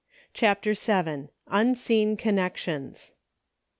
CHAPTER VII. UNSEEN CONNECTIONS.